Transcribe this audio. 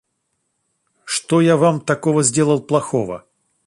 Что я Вам такого сделал плохого?